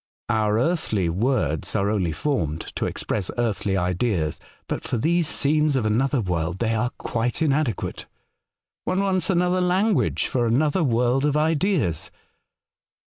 Our earthly words are only formed to express earthly ideas, but for these scenes of another world they are quite inadequate. One wants another language for another world of ideas.